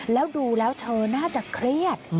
แล้วดูแล้วเธอน่าจะเครียด